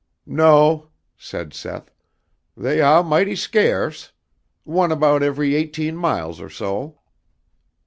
"No," said Seth. "They ah mighty scarce. One about every eighteen miles or so."